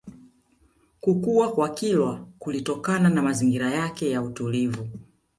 Kukua kwa Kilwa kulitokana na mazingira yake ya utulivu